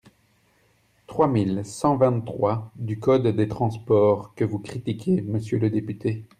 trois mille cent vingt-trois du code des transports, que vous critiquez, monsieur le député.